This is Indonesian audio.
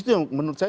itu yang menurut saya